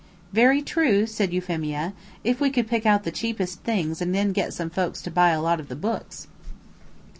"Very true," said Euphemia, "if we could pick out the cheapest things and then get some folks to buy a lot of the books."